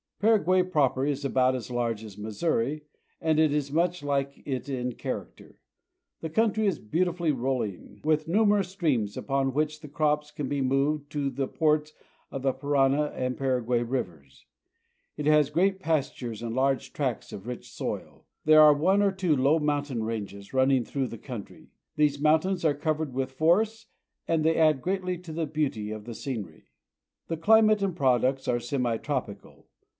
Paraguay proper is about as large as Missouri, and it is much like it in character. The country is beautifully roll ing, with numerous streams upon which the crops can be moved to the ports of the Parana and Paraguay rivers. It has great pastures and large tracts of rich soil. There are one or two low mountain ranges running through the PARAGUAY. 219 country. These mountains are covered with forests, and they add greatly to the beauty of the scenery. The cHmate and products are semitropical.